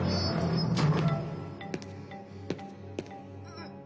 うっ！